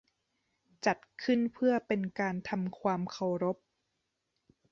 จัดขึ้นเพื่อเป็นการทำความเคารพ